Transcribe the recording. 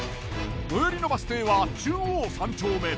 最寄りのバス停は中央三丁目。